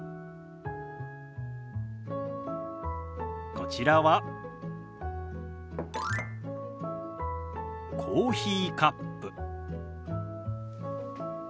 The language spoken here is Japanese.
こちらはコーヒーカップ。